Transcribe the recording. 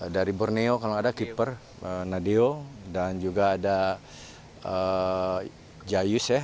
dari borneo kalau ada keeper nadeo dan juga ada jayus ya